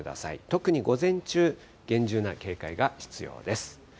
特に午前中、厳重な警戒が必要です。